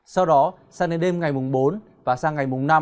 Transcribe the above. sau đó sang đến đêm ngày bốn và sang ngày năm